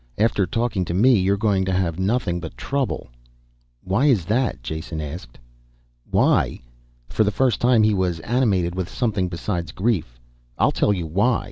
"After talking to me you're going to have nothing but trouble." "Why is that?" Jason asked. "Why?" For the first time he was animated with something besides grief. "I'll tell you why!